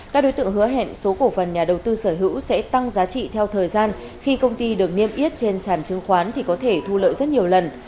các đối tượng hứa hẹn số cổ phần nhà đầu tư sở hữu sẽ tăng giá trị theo thời gian khi công ty được niêm yết trên sản chứng khoán thì có thể thu lợi rất nhiều lần